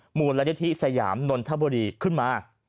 หมู่รายละเอียดธิสยามนนทบรีขึ้นมา